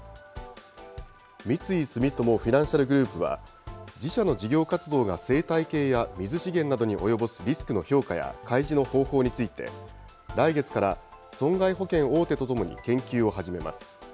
三井住友フィナンシャルグループは、自社の事業活動が生態系や水資源などに及ぼすリスクの評価や開示の方法について、来月から損害保険大手と共に研究を始めます。